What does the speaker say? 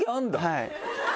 はい。